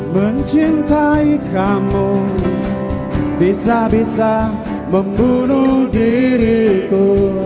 mencintai kamu bisa bisa membunuh diriku